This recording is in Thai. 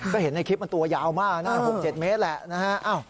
ก็เห็นในคลิปมันตัวยาวมากนะ๖๗เมตรแหละนะฮะ